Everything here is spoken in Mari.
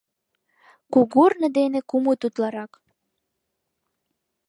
— Кугорно дене кумыт утларак.